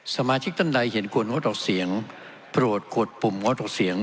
สมาชิกท่านใดเห็นควรงดออกเสียงโปรดกดปุ่มงดออกเสียง